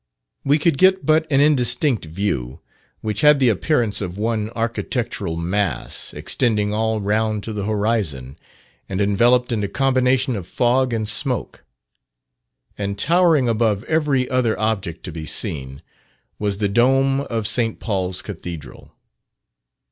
We could get but an indistinct view, which had the appearance of one architectural mass, extending all round to the horizon, and enveloped in a combination of fog and smoke; and towering above every other object to be seen, was the dome of St. Paul's Cathedral.